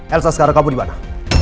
elsa sekarang kamu di mana